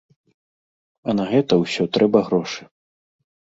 А на гэта ўсё трэба грошы.